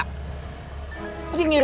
kok dia ngirim lagi